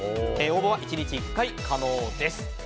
応募は１日１回可能です。